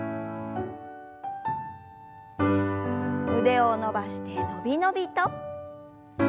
腕を伸ばしてのびのびと。